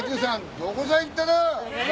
どこさ行っただ？